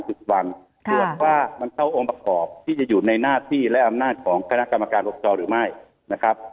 ตรวจว่ามันเข้าองค์ประกอบที่จะอยู่ในหน้าที่และอำนาจของคณะกรรมการปกจอหรือไม่นะครับ